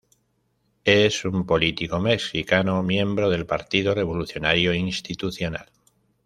Es un político mexicano miembro del Partido Revolucionario Institucional.